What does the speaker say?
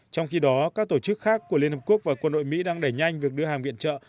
trong khi đó các tổ chức khác của liên hợp quốc và quân đội mỹ đang đẩy nhanh việc đưa hàng viện trợ